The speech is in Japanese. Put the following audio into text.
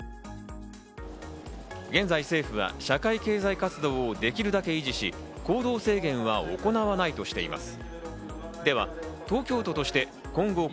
現在、政府は社会経済活動をできるだけ維持し、行動制限は行わないとしています。